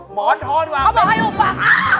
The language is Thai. หมอนทองดูว่า